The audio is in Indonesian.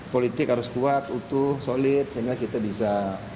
politik harus kuat utuh solid sehingga kita bisa